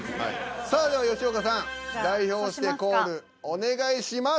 さあでは吉岡さん代表してコールお願いします。